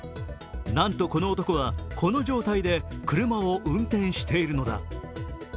なんとこの男はこの状態で車を運転しているのだ。